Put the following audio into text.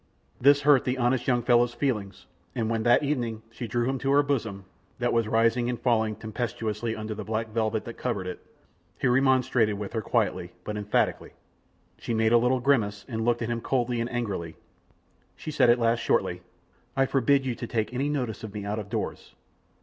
This hurt the honest young fellow's feelings, and when that evening she drew him to her bosom, that was rising and falling tempestuously under the black velvet that covered it, he remonstrated with her quietly, but emphatically. She made a little grimace, and looking at him coldly and angrily, she at last said, shortly: "I forbid you to take any notice of me out of doors.